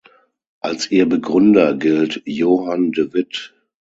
Als ihr Begründer gilt Johan de Witt.